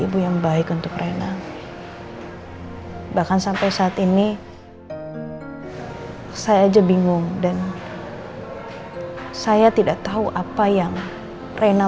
ibu yang baik untuk rena bahkan sampai saat ini saya aja bingung dan saya tidak tahu apa yang reina